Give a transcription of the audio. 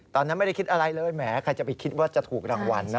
ตอนนั้นไม่ได้คิดอะไรเลยแหมใครจะไปคิดว่าจะถูกรางวัลนะ